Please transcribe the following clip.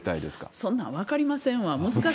そんなん分かりませんわ。